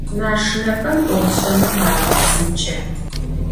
Maşşinexem 'ofş'enır khağepsınç'e.